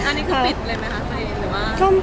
อันนี้คือปิดเลยไหมคะเพลงหรือว่า